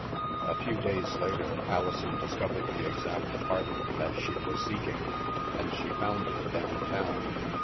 A few days later, Alison discovered the exact apartment that she was seeking, and she found it down town.